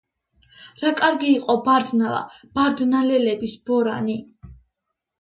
რა კარგი იყო ბარდნალა, ბარდნალელების ბორანი